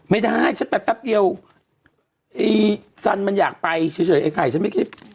ไม่ได้ฉันไปแป๊บเดียวไอ้สันมันอยากไปเฉยไอ้ไข่ฉันไม่คิด